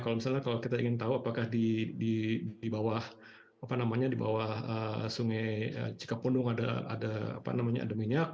kalau misalnya kalau kita ingin tahu apakah di bawah sungai cikapundung ada minyak